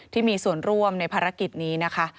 ที่มีส่วนร่วมในภารกิจนี้นะคะ